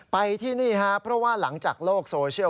ไปที่นี่ครับเพราะว่าหลังจากโลกโซเชียล